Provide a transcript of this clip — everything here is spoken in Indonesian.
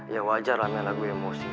ya wajar lah memang gue emosi